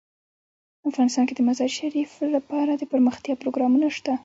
افغانستان کې د مزارشریف لپاره دپرمختیا پروګرامونه شته.